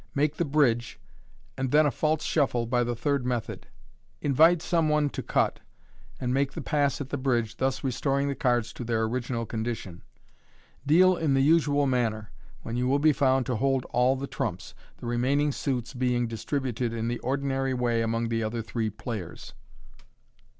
Make the bridge (see page 39), and then a false shuffle by the third method (see page 24). Invite some one to cut, and make the pass at the bridge, thus restoring the cards to their original condition. Deal in the usual manner, when you will be found to hold all the trumps, the remaining suits being distributed in the ordinary way among the other three players.